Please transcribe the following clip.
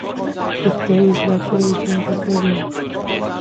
روغتیايي زده کړې ژوند بدلوي.